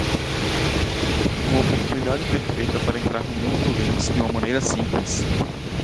Uma oportunidade perfeita para entrar no mundo do Linux de uma maneira simples.